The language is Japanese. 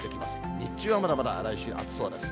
日中はまだまだ来週暑そうです。